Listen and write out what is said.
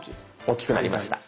大きくなりました。